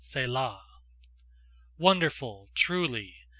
Selah. Wonderful, truly!